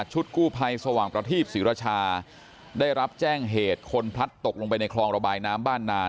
กู้ภัยสว่างประทีปศรีราชาได้รับแจ้งเหตุคนพลัดตกลงไปในคลองระบายน้ำบ้านนาน